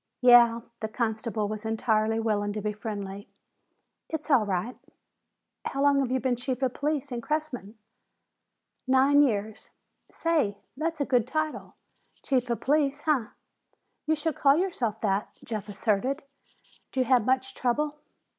"Yeah," the constable was entirely willing to be friendly, "it's all right." "How long have you been chief of police in Cressman?" "Nine years. Say! That's a good title! Chief of Police, huh?" "You should call yourself that," Jeff asserted. "Do you have much trouble?"